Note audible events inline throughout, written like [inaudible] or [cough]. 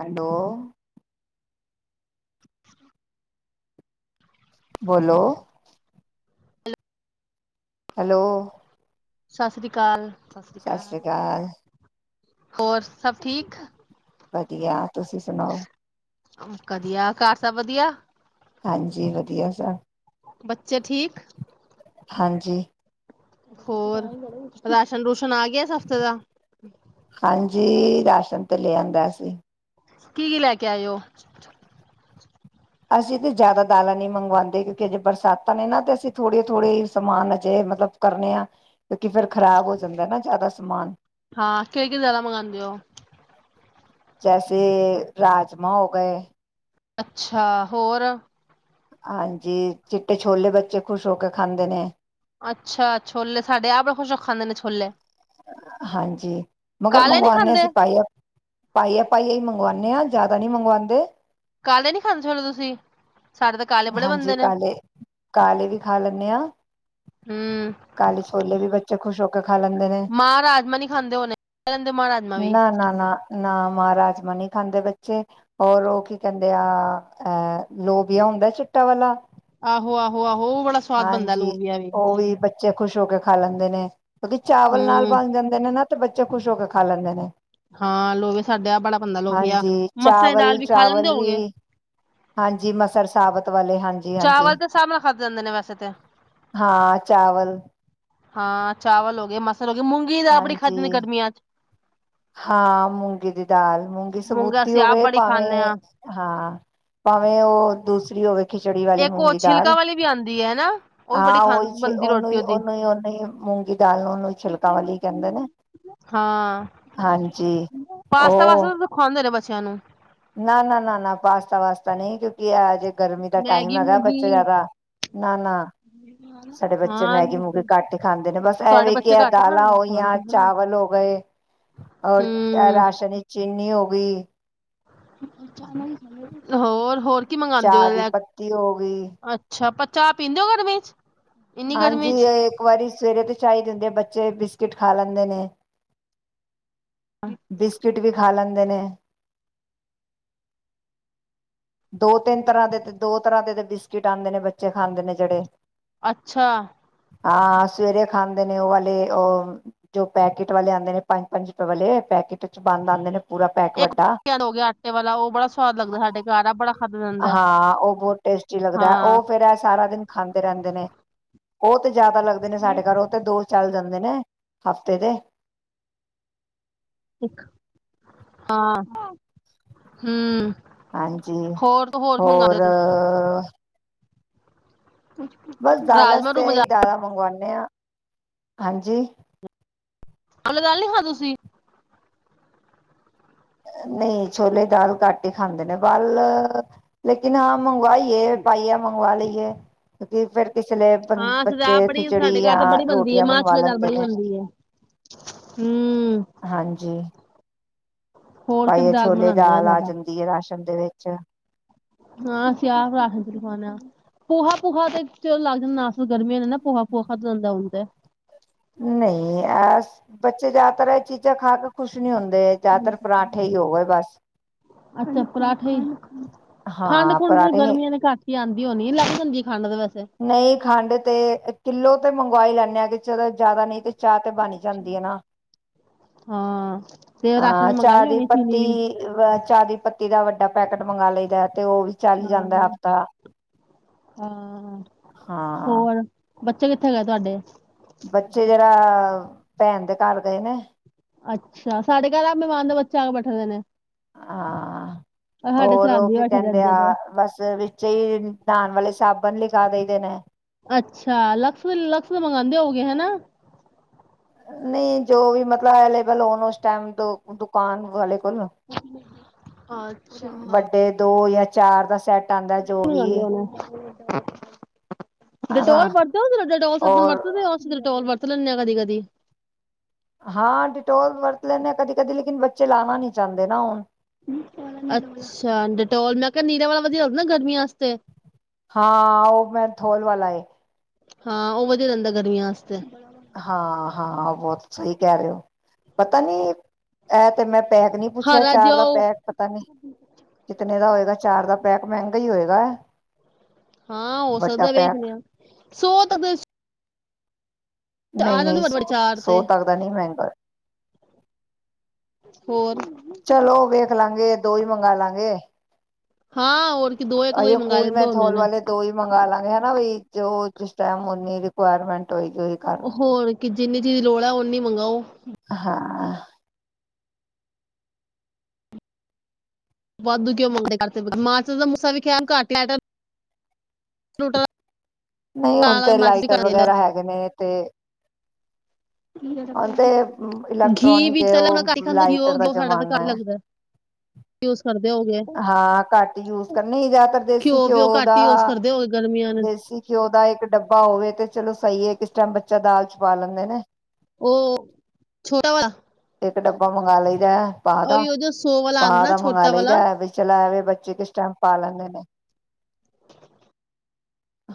Hello [inaudible] ਬੋਲੋ hello ਸਤਿ ਸ੍ਰੀ ਅਕਾਲ ਸਤਿ ਸ੍ਰੀ ਅਕਾਲ ਹੋਰ ਸਭ ਠੀਕ? ਵਧੀਆ, ਤੁਸੀਂ ਸੁਣਾਓ। ਵਧੀਆ, ਘਰ ਸਭ ਵਧੀਆ? ਹਾਂਜੀ, ਵਧੀਆ ਸਭ। ਬੱਚੇ ਠੀਕ? ਹਾਂਜੀ ਹੋਰ ਰਾ ਸੰਦੂਸ ਹਾਂਜੀ, ਰਾਸ਼ਨ ਤੇ ਲੇ ਆਂਦਾ ਸੀ ਕੀ- ਕੀ ਲੈ ਕੇ ਆਏ ਔ? ਅਸੀਂ ਤੇ ਜਾਅਦਾ ਦਾਲਾਂ ਨਈਂ ਮੰਗਵਾਂਦੇ ਕਿਉਂਕਿ ਅਜੇ ਬਰਸਾਤਾਂ ਨੇ ਨਾ, ਤੇ ਅਸੀਂ ਥੋੜ੍ਹੇ-ਥੋੜ੍ਹੇ ਈ ਸਮਾਨ ਅਜੇ ਮਤਲਬ ਕਰਨੇ ਆ, ਕਿਉਂਕਿ ਫਿਰ ਖ਼ਰਾਬ ਹੋ ਜਾਂਦਾ ਨਾ ਜਾਅਦਾ ਸਮਾਨ। ਹਾਂ, ਕੇੜੀ ਕੇੜੀ ਦਾਲਾਂ ਮੰਗਾਂਦੇ ਓ? ਜੈਸੇ ਰਾਜਮਾਂ ਹੋ ਗਏ। [unintelligible] ਅੱਛਾ, ਹੋਰ? ਹਾਂਜੀ, ਚਿੱਟੇ ਛੋਲੇ ਬੱਚੇ ਖੁਸ਼ ਹੋ ਕੇ ਖਾਂਦੇ ਨੇ। ਅੱਛਾ, ਛੋਲੇ ਸਾਡੇ ਆਪ ਬੜੇ ਖੁਸ਼ ਹੋ ਕੇ ਖਾਂਦੇ ਨੇ ਛੋਲੇ। ਹਾਂਜੀ, ਮਗਰ ਕਾਲੇ ਨੀ ਮੰਗਵਾਣੇ ਖਾਂਦੇ? ਅਸੀਂ ਪੈਲੇ, ਪੈਲੇ-ਪੈਲੇ ਈ ਮੰਗਵਾਣੇ ਆਂ। ਜ਼ਿਆਦਾ ਨਈਂ ਮੰਗਵਾਂਦੇ। ਕਾਲੇ ਨੀ ਖਾਂਦੇ ਹੁਣ ਤੁਸੀਂ? ਸਾਡੇ ਤਾਂ ਕਾਲੇ ਬੜੇ ਹਾਂਜੀ ਬਣਦੇ ਨੇ। ਕਾਲੇ, ਕਾਲੇ ਵੀ ਖਾ ਲੈਂਣੇ ਆਂ। ਕਾਲੇ ਛੋਲੇ ਵੀ ਬੱਚੇ ਖੁਸ਼ ਹੋ ਕੇ ਖਾ ਲੈਂਦੇ ਨੇ ਮਾਅ ਰਾਜਮਾਂ ਨੀ ਖਾਂਦੇ ਹੁਣੇ, ਕੈ ਲਿੰਦੇ ਮਾਅ ਰਾਜਮਾਂ ਵੀ। ਨਾ ਨਾ ਨਾ ਨਾ ਮਾਅ ਰਾਜਮਾਂ ਨੀ ਖਾਂਦੇ ਬੱਚੇ, ਔਰ ਓ ਕੀ ਕੈਂਦੇ ਆ, ਅਹ ਲੋਬੀਆ ਹੁੰਦਾ ਚਿੱਟੇ ਵਾਲਾ? ਆਹੋ-ਆਹੋ-ਆਹੋ। ਬੜਾ ਸਵਾਦ ਬਣਦਾ ਹਾਂਜੀ, ਲੋਬੀਆ ਓ ਵੀ ਬੱਚੇ ਖੁਸ਼ ਹੋਕੇ ਖਾ ਲੈਂਦੇ ਨੇ। ਕਿਉਂਕਿ ਚਾਵਲ ਨਾਲ ਹੂੰ, ਬਣ ਜਾਂਦੇ ਨੇ ਨਾ। ਤੇ ਬੱਚੇ ਖੁਸ਼ ਹੋ ਕੇ ਖਾ ਲੈਂਦੇ ਨੇ। ਹਾਂ ਲੋਵੇ ਸਾਡਾ ਬੜਾ ਬੰਦਾ ਲੋਵਆ ਹਾਂਜੀ ਮਸਾਂ ਦੀ ਚਾਵਲ ਦਾਲ ਵੀ ਖਾ ਲੈਂਦੇ ਚਾਵਲ ਹੋ ਵੀ ਗਏ ਹਾਂਜੀ ਮਸਰ ਸਾਬਤ ਵਾਲੇ ਹਾਂਜੀ ਚਾਵਲ ਹਾਂਜੀ ਦੇ ਹਿਸਾਬ ਨਾਲ ਖਾਧ ਜਾਂਦਾ ਹਾਂ ਚਾਵਲ ਹਾਂ ਚਾਵਲ ਹੋ ਗਏ ਮ ਚ ਮੂੰਗੀ ਤਾਂ ਆਪਣੀ ਖਾਧੀ ਦੀ ਹਾਂਜੀ ਗਰਮੀਆਂ ' ਚ [unintelligible] ਹਾਂ ਮੂੰਗੀ ਦੀ ਦਾਲ ਮੂੰਗੀ ਮੂੰਗਾ ਸਬੂਤੀ ਅਸੀਂ ਆਪ ਹੋਵੇ ਬੜੀ ਖਾਂਦੇ ਭਾਵੇਂ ਹਾਂ ਹਾਂ ਭਾਵੇਂ ਉਹ ਦੂਸ ਹੋਵੇ ਖਿਚੜੀ ਵਾਲੀ ਇੱਕ ਉਹ ਮੂੰਗੀ ਛਿਲਕਾ ਦਾਲ ਵਾਲੀ ਵੀ ਆਉਂਦੀ ਹੈ ਹਨਾ ਉਹ ਵੀ ਬੜੀ ਹਾਂ ਖਾ ਉਹੀ ਬਣਦੀ ਉਹਨੂੰ ਰੋਟੀ ਹੀ ਉਹਦੀ ਉਹਨੂੰ ਹੀ ਨੂੰ ਹੀ ਮੂੰਗੀ ਦਾਲ ਨੂੰ ਉਹਨੂੰ ਛਿਲਕਾ ਵਾਲੀ ਕਹਿੰਦੇ ਨੇ ਹਾਂ ਹਾਂਜੀ ਪਾਸਤਾ ਵਾਸ ਉਹ ਖਾਂਦੇ [unintelligible] ਬੱਚਿਆਂ ਨੂੰ ਨਾ ਨਾ ਨਾ ਨਾ ਪਾਸਤਾ ਵਾਸਤਾ ਨਹੀਂ ਕਿਉਂ ਕੀ ਆ ਜੇ ਗਰਮੀ ਦਾ ਟਾਈਮ ਮੈਗੀ ਹੈਗਾ ਮੂਗੀ ਬੱਚੇ ਜ਼ਿਆਦਾ ਨਾ ਨਾ ਸਾਡੇ ਬੱਚੇ ਹਾਂ ਮੈਗੀ ਨਹੀਂ ਮੂਗੀ ਘੱਟ ਹੀ ਖਾਂਦੇ ਨੇ ਬਸ ਤੁਹਾਡੇ ਐਵੇਂ ਕੀ ਬੱਚੇ ਹੈ ਘੱਟ ਦਾਲਾਂ ਖਾਣ ਹੋਈਆਂ ਸਮਝਦਾ ਹਨ ਚਾਵਲ ਹੋ ਗਏ ਔਰ ਹਮ ਰਾਸ਼ਨੀ ਚੀਨੀ ਹੋ ਕੁਈ [unintelligible] ਹੋਰ, ਹੋਰ ਕੀ ਮੰਗਵਾਉਂਦੇ ਚਾਹ ਹੋ ਦੀ ਲੈ ਪੱਤੀ ਹੋ ਗਈ। ਅੱਛਾ ਪਰ ਚਾਹ ਪੀਂਦੇ ਹੋ ਗਰਮੀ ਚ? ਇੰਨੀ ਗਰਮੀ ਹਾਂਜੀ ਚ ਇੱਕ ਵਾਰੀ ਸਵੇਰੇ ਤੋਂ ਚਾਹੀਦੀ ਆ ਬੱਚੇ ਵੀ ਪੀੰ ਕਿਟ ਖਾ ਲੈਂਦੇ ਨੇ। ਬਿਸਕੁਟ ਵੀ ਖਾ ਲੈਂ ਦੇ ਨੇੇ ਦੋ ਤਿੰਨ ਤਰ੍ਹਾਂ ਤੇ ਦੇ, ਦੋ ਤਰ੍ਹਾਂ ਦੇ ਬਿਸਕਿਟ ਆਉਂਦੇ ਨੇ ਬੱਚੇ ਖਾਂਦੇ ਨੇ ਜਿਹੜੇ। ਅੱਛਾ ਹਾਂ ਸਵੇਰੇ ਖਾਂਦੇ ਨੇ ਉਹ ਵਾਲੇ ਉਹ ਜੋ ਪੈਕੇਟ ਵਾਲੇ ਆਉਂਦੇ ਨੇ ਪੰਜ -ਪੰਜ ਰੁਪਏ ਵਾਲੇ ਪੈਕੇਟ ਚ ਬੰਦ ਆਉਂਦੇ ਨੇ ਪੂਰਾ ਪੈਕ [unintelligible] ਵੱਡਾ ਹੋ ਗਿਆ ਆਟੇ ਵਾਲਾ ਉਹ ਬੜਾ ਸਵਾਦ ਲੱਗਦਾ ਸਾਡੇ ਘਰ ਆ ਬੜਾ ਖਾਧਾ ਜਾਂਦਾ ਹਾਂ ਉਹ ਬੋਹੁਤ ਟੇਸਟੀ ਲੱਗਦਾ ਹਾਂ ਔਹ ਫੇਰ ਐਹ ਸਾਰਾ ਦਿਨ ਖਾਂ ਦੇ ਰਹਿੰਦੇ ਨੇ ਉਹ ਤੇ ਜ਼ਿਆਦਾ ਲੱਗਦੇ ਨੇ ਸਾਡੇ ਘਰ ਉਹ ਦੋ ਚੱਲ ਜਾਂਦੇ ਨੇ, ਹਫਤੇ ਦੇ। ਹਾਂ ਹੂੰ ਹਾਂਜੀ ਹੋਰ ਕੀ ਹੋਰ ਮੰਗਾਦੇ ਤੇ ਬਸ ਦਾਲਾਂ ਚ ਰਾਜਮਾਂ ਰੂਹ ਤਾਂ ਮਜਾ ਇਹੀ ਦਾਲਾਂ ਮੰਗਵਾਂਨੇ ਆ। ਹਾਂਜੀ ਲੇ ਦਾਲ ਨੀ [unintelligible] ਖਾ ਤੁਸੀਂ? ਨਹੀਂ ਛੋਲੇ ਦਾਲ ਘੱਟ ਹੀ ਖਾਂਦੇ ਨੇ ਬੱਲ ਲੇਕਿਨ ਆ ਮੰਗਵਾਈ ਏ ਪਾਈਯਾ ਮੰਗਵਾ ਲਈਏ ਕਿਉਕਿ ਫੇਰ ਕਿਸੇਲੇ ਹਾਂ ਅਸੀਂ ਤਾਂ ਆਪ ਬੱਚੇ ਬੜੀ ਖਿਚੜੀ ਸਾਡੇ ਘਰ ਯਾ ਤੇ ਬੜੀ ਬਣਦੀ ਹੈ ਰੋਟੀਆਂ ਮਾਂ ਬਣਵਾ ਛੋਲੇ ਦਾਲ ਲੈਂਦੇ ਬੜੀ ਨੇ, ਬਣਦੀ ਹੈ ਹੂੰ ਹਾਂਜੀ। ਹੋਰ ਕਿਹੜੀ ਪਾਈਯਾ ਦਾਲ ਛੋਲੇ ਬਣਾਉਂਦੇ ਹੋ ਦਾਲ ਆ ਜ਼ਿਆਦਾ ਜਾਂਦੀ ਹੈ ਰਾਸ਼ ਦੇ ਵਿੱਚ। ਹਾਂ ਅਸੀੰ ਆਪ ਰਾਸ਼ਨ ਚ ਲਖਉਣੇ ਹ ਪੂਹਾ- ਪੂਹਾ ਤੇ ਲੱਗ ਜਾਂਦਾ ਨਾ ਗਰਮੀ ਨਾ ਪੂਆ ਪੋਹਾਾ ਗੰਦਾ ਹੁੰਦਾ ਨਹੀਂ ਆ ਬੱਚੇ ਜ਼ਿਆਦਾਤਰ ਇਹ ਚੀਜ਼ਾਂ ਖਾ ਕੇ ਖੁਸ਼ ਨਹੀਂ ਹੁੰਦੇ। ਜ਼ਿਆਦਾਤਰ ਪਰਾਂਠੇ ਹੀ ਹੋ ਗਏ ਬਸ ਅੱਛਾ ਪਰਾਠੇ ਖੰਡ ਹਾਂ ਖੁੰਡ ਪਰਾਂਠੇ ਗਰਮੀਆਂ ਦੀ ਕਾਟ ਆਉਂਦੀ ਹੋਣੀ ਐ ਲੱਗ ਜਾਂਦੀ ਹੈ। ਖੰਡ ਤੇ ਵੈਸੇ ਨਹੀਂ ਖੰਡ ਤੇ ਕਿੱਲੋ ਤੇ ਮੰਗਵਾਈ ਲੈਂਨ ਹਾਂ, ਚਲੋ ਜ਼ਿਆਦਾ ਨਹੀਂ ਤੇ ਚਾਹ ਤੇ ਬਣੀ ਜਾਂਦੀ ਹੈ ਨਾ, ਹਾਂ ਤੇ ਰਾਸ਼ਨ ਹਾਂ ਚ ਚਾਹ ਮੰਗਾਈ ਦੀ ਹੋਣੀ ਚੀਨੀ ਪੱਤੀ ਵੀ ਅ ਚਾਹ ਦੀ ਪੱਤੀ ਦਾ ਵੱਡਾ ਪੈਕੇਟ ਮੰਗਾ ਲਈ ਦੇ ਤੇ ਉਹ ਵੀ ਚੱਲ ਹਾਂ ਜਾਂਦਾ ਹਫ਼ਤਾ ਹਾਂ। ਹਾਂ। ਹੋਰ ਬੱਚੇ ਕਿੱਥੇ ਗਏ ਤੁਹਾਡੇ? ਬੱਚੇ ਜਰਾ ਭੈਣ ਦੇ ਘਰ ਗਏ ਨੇ। ਅੱਛਾ, ਸਾਡੇ ਘਰ ਆਪ ਮੈਮਾਨ ਦਾ ਬੱਚਾ ਆਕੇ ਬੈਠੇ ਦੇ ਨੇ। ਹਾਂ ਔਰ ਸਾਡੇ ਹੋਰ ਓਹ ਸਰਾਂਦੀ ਕੀ ਬੈਠੇ ਕੈੰਦੇ ਰਹਿੰਦੇ ਆ ਨੇ ਬਸ ਵਿੱਚੇ ਈ ਨਾਣ ਵਾਲੇ ਸਾਬਣ ਲਿਖ ਜਾਦਾ ਈ ਦੇ ਨੇ‌। ਅੱਛਾ, ਲਕਸ ਵਲੇ ਲਕਸ ਦੇ ਮੰਗਾਦੇ ਹੋਓਗੇ ਹੈਨਾ। ਨਹੀਂ ਜੋ ਵੀ ਮਤਲਬ ਅਵੇਲੇਬਲ ਹੋਣ ਓਸ ਟਾਈਮ ਦ ਦੁਕਾਨ ਵਾਲੇ ਕੋਲੋ ਅੱਛਾ ਵੱਡੇ ਦੋ ਯਾ ਚਾਰ ਦਾ ਸੈਟ। ਆਉਂਦਾ ਜੋ ਕਿ ਵੀ ਕੈੰਦੇ ਨੇ? ਹਨਾ ਡਟੋਲ ਵਰਤੇ ਔ ਜੇਰਾ ਡਟੋਲ ਸਾਬਣ ਔਰ ਵਰਤਦੇ ਔ ਅਸੀਂ ਤੇ ਡਟੋਲ ਵਰਤ ਤਲੈਣੇ ਆਂ ਕਦੀ ਕਦੀ। ਹਾਂ, ਡਿਟੋਲ ਵਰਤ ਲੈਂਦੇ ਆਂ ਕਦੀ ਕਦੀ, ਲੇਕਿਨ ਬੱਚੇ ਲਾਣਾ ਨੀ ਚਾੰਦੇ ਨਾ ਹੁਣ। ਅੱਛਾ, ਡਟੋਲ ਮੈਂ ਕਿਆ ਨੀਰਾਂ ਵਾਲਾ ਵਧੀਆ ਹੋੰਦਨਾ ਗਰਮੀਆਂ ਆਸਤੇ। ਹਾਂ ਓਹ ਮੈਂਥੋਲ ਵਾਲਾ ਏ। ਹਾਂ, ਓਹ ਵਧੀਆ ਰੈੰਦਾ ਗਰਮੀਆਂ ਆਸਤੇ। ਹਾਂ ਹਾਂ, ਬੌਤ ਸਹੀ ਕੈ ਰੇ ਔ, ਪਤਾ ਨੀ ਐ ਤੇ ਮੈਂ ਪੈਕ ਨੀ ਪੁੱਛਿਆ ਹਰਾ ਚਾਰ ਜਿਹਾ ਦਾ ਉਹ ਪੈਕ ਪਤਾ ਨੀ, ਕਿਤਨੇ ਦਾ ਹੋਏ। ਚਾਰ ਦਾ ਪੈਕ ਮੈੰਗਾ ਹੀ ਹੋਏਗਾ। ਹਾਂ ਹੋ ਵੱਡਾ ਸਕਦੈ ਪੈਕ ਵੇਖਣੇ ਆਂ, ਸੋ ਤ ਦਸ ਨਹੀਂ ਨਹੀਂ ਸੋ ਚਾਰ ਸੌ ਤੇ ਤੱਕ ਦਾ ਨਹੀਂ ਮੈੰਗਾ ਏ। ਹੋਰ? ਚਲੋ ਵੇਖ ਲਾਂਗੇ ਦੋ ਈ ਮੰਗਾ ਲਾਂਗੇ। ਹਾਂ ਹੋਰ ਕੀ ਦੋ ਇੱਕ ਦੋ ਹੀ ਅਯੋ ਮੰਗਾ ਕੂਲ ਲੈਂਦੇ ਮੇ ਹੁੰਦੇ ਥਲ ਨੇ ਵਾਲੇ ਦੋ ਈ ਮੰਗਾ ਲਾਂਗੇ ਹੈਨਾ ਬਈ, ਜੋ ਜਿਸ ਟੈਮ ਓਨੀ ਰਿਕਵਾਰਮੈਂਟ ਹੋਰ ਕਿ ਜਿੰਨੀ ਦੀ ਲੋੜ ਐ, ਔਨੀ ਮੰਗਾਓ। ਹਾਂ। ਵਾਧੂ ਕਿਉਂ ਮੰਗਦੇ ਕਰ ਤੇ ਮਾਂਚ ਦਾ ਮੂਸਾ ਵਿਖਆਣ ਘੱਟ ਲਾਯਾ ਕਰ ਨਹੀਂ ਹੁਣ ਤੇ ਲਾਈਟਰ ਦਿੰਦਾ ਵਗੈਰਾ ਹੈਗੇ ਨੇ ਤੇ ਹੌਣ ਤੇ ਘੀ ਇਲੈਕਟ੍ਰੋਨਿਕ ਵੀ ਏ ਚਲੋ ਔ ਹੁਣ ਘੱਟ ਹੀ ਲਾਈਟਰ ਦਾ ਜ਼ਮਾਨਾ ਐ। ਕਿ ਉਸ ਹਾਂ, ਘੱਟ ਯੂਜ ਕਰਨ ਨਹੀਂ ਜੈਦਾਤਰ ਦੇਸੀ ਵੀ ਉਹ ਘਿਓ ਦਾ ਘੱਟ ਹੀ ਯੂਜ਼ ਕਰਦੇ ਹੋਗੇ ਗਰਮੀਆਂ ਨੇ ਦੇਸੀ ਘਿਓ ਦਾ ਇੱਕ ਡੱਬਾ ਹੋਵੇ ਤੇ ਚਲੋ ਸਹੀ ਏ ਕਿਸ ਟੈਮ ਬੱਚਾ ਦਾਲ ਚ ਪਾ ਲੈਂਦੇ ਨੇ। ਓਹ ਛੋਟਾ ਵਾਲਾ। ਤੇ ਇੱਕ ਡੱਬਾ ਮੰਗਵਾ ਲਈਦੈ। ਹੀ ਉਹ ਜੋ ਸੌ ਵਾਲਾ ਆਦਾ ਨਾ ਛੋਟਾ ਵਾਲਾ ਲਈਦਾ ਵੀ ਚਲਾ ਬੱਚੇ ਕਿਸ ਟਾਈਮ ਪਾ ਲੈਂਦੇ ਨੇ,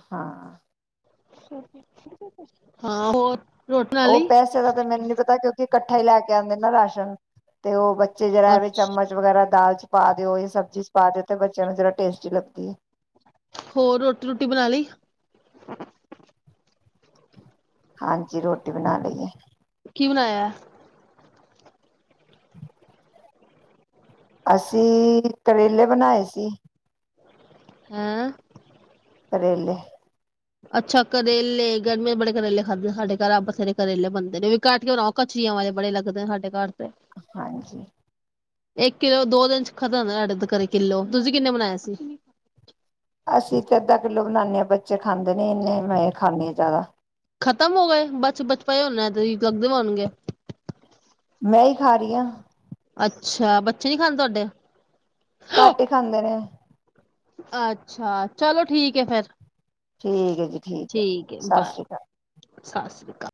ਹਾਂ, ਹਾਂ ਹੋਰ, ਰੋਟੀ ਬਣਾ ਉਹ ਲਈ ਪੈਸੇ ਦਾ ਤੇ ਮੈਨੂੰ ਨੀ ਪਤਾ ਕਿਉਂਕਿ, ਇਕੱਠਾ ਹੀ ਲੈ ਕੇ ਆਉਂਦੇ ਨਾ ਰਾਸ਼ਨ ਤੇ ਉਹ ਬੇ ਚ ਜਿਹੜਾ ਵੀ ਅੱਛਾ ਚਮਚ ਵਗੈਰਾ ਦਾਲ ਪਾ ਦਿਓ, ਸਬਜ਼ੀ ਚ ਪਾ ਦਿਓ, ਤੇ ਬੱਚਿਆਂ ਨੂੰ ਜਿੜਾ ਟੇਸਟੀ ਲੱਗਦੀ ਹੈ। ਹੋਰ ਰੋਟੀ ਰੁਟੀ ਬਣਾ ਲਈ। ਹਾਂਜੀ, ਰੋਟੀ ਬਣਾ ਲਈਏ। ਕੀ ਬਣਾਇਆ। ਅਸੀਂ ਕਰੇਲੇ ਬਣਾਏ ਸੀ। ਹੈਂ। ਕਰੇਲੇ, ਅੱਛਾ ਕਰੇਲੇ ਗਰਮੇ ਬੜੇ ਕਰੇਲੇ ਖਾਧੇ ਸਾਡੇ ਘਰ ਬਥੇਰੇ ਕਰੇਲੇ ਬਣਦੇ ਨੇ ਵੀ ਘੱਟ ਕੇ ਬਣਾਓ ਕਚਰੀਆਂ ਵਾਲੇ ਬੜੇ ਲੱਗਦੇ ਨੇ ਸਾਡੇ ਘਰ- ਤੇ ਹਾਂਜੀ, ਇੱਕ ਕਿੱਲੋ ਦੋ ਦਿਨ ਚ ਖਤਮ ਸਾਡੇ ਕਰੇ ਕਿੱਲੋ ਤੁਸੀਂ ਕਿੰਨੇ ਬਣਾਇਏ ਸੀ। ਅਸੀਂ ਤੇ ਅੱਧਾ ਕਿੱਲੋ ਬਣਾਦੇ ਹਾਂ, ਬੱਚੇ ਖਾਂਦੇ ਨੇ ਇਨੇ ਮੈਂ ਖਾਂਣੀ, ਜ਼ਿਆਦਾ, ਖਤਮ ਹੋ ਗਏ, ਬਸ ਬਚਪਾ ਹਨਾ ਤੇ ਲੱਗਦੇ ਹੋਣਗੇ। ਮੈਂ ਹੀ ਖਾ ਰਹੀ ਹਾਂ। ਅੱਛਾ ਬੱਚੇ ਨੀ ਖਾਂਦੇ ਤੁਹਾਡੇ ਘੱਟ ਹੀ ਖਾਂਦੇ ਨੇ ਅੱਛਾ ਚਲੋ ਠੀਕ ਹੈ ਫੇਰ ਠੀਕ ਹੈ ਜੀ ਠੀਕ ਹੈ ਸਤਿ ਸ਼੍ਰੀ ਅਕਾਲ। ਸਤਿ ਸ਼੍ਰੀ ਅਕਾਲ।